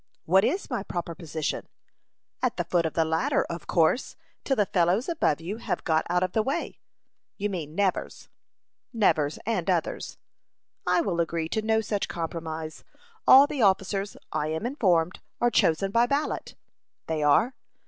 "What is my proper position?" "At the foot of the ladder, of course, till the fellows above you have got out of the way." "You mean Nevers?" "Nevers and others." "I will agree to no such compromise. All the officers, I am informed, are chosen by ballot." "They are."